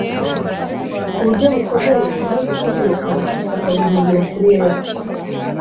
ku buryo bukomeye, amaze kunyirukana nshaka guhungira kuri Yesu